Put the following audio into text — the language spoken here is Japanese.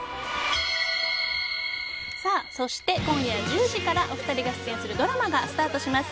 そして、今夜１０時からお二人が出演するドラマがスタートします。